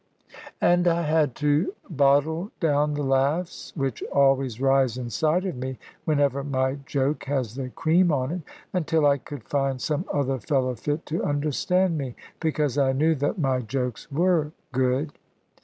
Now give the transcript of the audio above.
And I had to bottle down the laughs (which always rise inside of me, whenever my joke has the cream on it) until I could find some other fellow fit to understand me; because I knew that my jokes were good.